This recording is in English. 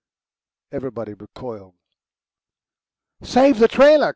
Everybody recoiled. "Save the trailer!"